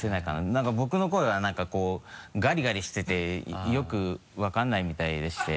何か僕の声は何かこうガリガリしててよく分からないみたいでして。